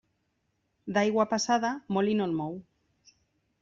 D'aigua passada, molí no en mou.